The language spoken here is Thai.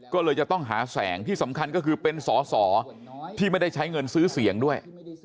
ก็เลยจะต้องหาแสงที่สำคัญก็คือเป็นสอสอที่ไม่ได้ใช้เงินซื้อเสียงด้วย